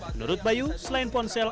menurut bayu selain ponsel